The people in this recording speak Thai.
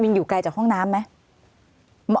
อยู่ไกลจากห้องน้ำไหม